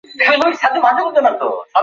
এর আগে রয়েছে ইলে-দে-ফ্রঁস ও রোন-আল্প।